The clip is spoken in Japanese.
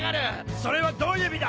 それはどういう意味だ！